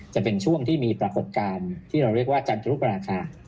จะเป็นช่วงที่มีปรากฏการณ์ที่เราเรียกว่าจันทรุปราคา